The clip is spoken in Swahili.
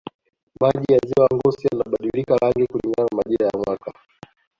maji ya ziwa ngosi yanabadilika rangi kulingana na majira ya mwaka